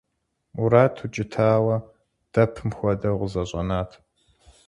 Мурат, укӀытауэ, дэпым хуэдэу къызэщӀэнат.